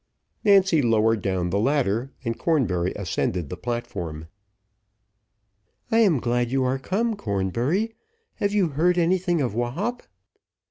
Nancy lowered down the ladder, and Cornbury ascended the platform. "I am glad you are come, Cornbury. Have you heard anything of Wahop?"